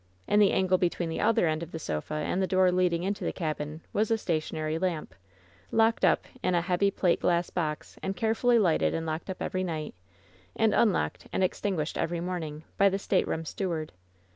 In the angle between the other end of the sofa and the door leading into the cabin was a stationary lamp, locked up in a heavy plate glass box, and carefully Ughted and locked up every night, and unlocked and extinguished every morning, by the stateroom steward.